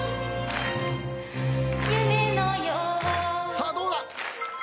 さあどうだ？